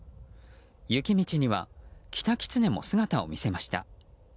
雪道にはキタキツネも姿を見せました。